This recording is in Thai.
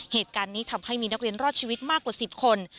เหตุการณ์นี้ทำให้มีนักเรียนรอดชีวิตมากกว่า๑๐คน